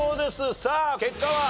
さあ結果は？